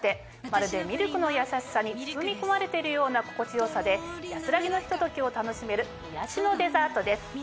まるでミルクのやさしさに包み込まれているような心地よさで安らぎのひと時を楽しめる癒やしのデザートです。